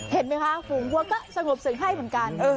เห็นมั้ยคะภูงวัวก็สงบศึกให้เหมือนกัน